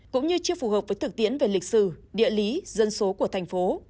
cũng như chưa phù hợp với thực tiễn về lịch sử địa lý dân số của thành phố